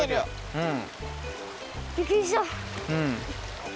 うん。